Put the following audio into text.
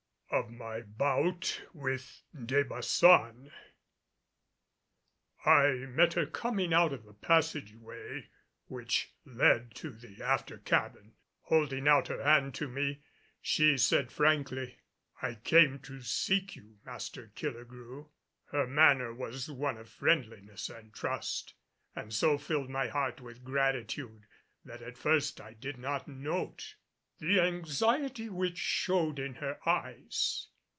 OF MY BOUT WITH DE BAÇAN. I met her coming out of the passageway which led to the after cabin. Holding out her hand to me, she said frankly, "I came to seek you, Master Killigrew." Her manner was one of friendliness and trust, and so filled my heart with gratitude that at first I did not note the anxiety which showed in her eyes.